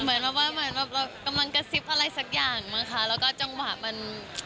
เหมือนเรากำลังกระซิบอะไรสักอย่างแล้วจังหวะมัน